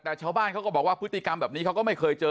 แต่ชาวบ้านเขาก็บอกว่าพฤติกรรมแบบนี้เขาก็ไม่เคยเจอ